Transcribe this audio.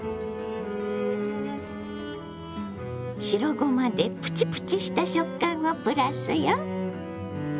白ごまでプチプチした食感をプラスよ。